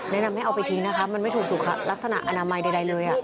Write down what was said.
แนะนำให้เอาไปทิ้งนะคะมันไม่ถูกลักษณะอนามัยใดเลย